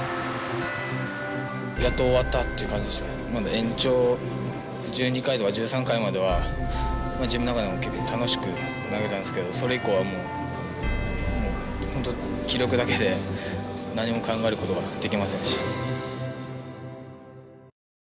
延長１２回とか１３回までは自分の中でも結構楽しく投げたんですけどそれ以降はもう本当気力だけで何も考えることができませんでした。